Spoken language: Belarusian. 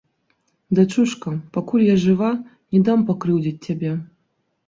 Дачушка, пакуль я жыва, не дам пакрыўдзіць цябе.